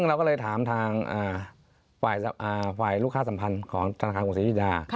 เราก็เลยถามทางฝ่ายลูกค้าสัมพันธ์ของธนาคารกรุงศรียุธา